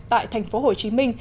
tại thành phố hồ chí minh